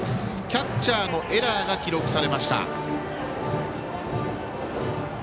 キャッチャーのエラーが記録されました。